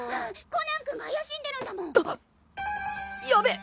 コナン君が怪しんでるんだもん。